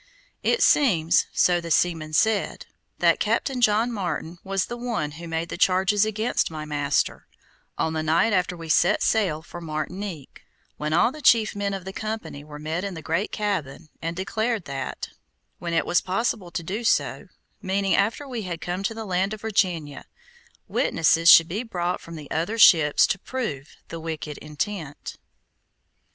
It seems, so the seaman said, that Captain John Martin was the one who made the charges against my master, on the night after we set sail from Martinique, when all the chief men of the company were met in the great cabin, and he declared that, when it was possible to do so, meaning after we had come to the land of Virginia, witnesses should be brought from the other ships to prove the wicked intent.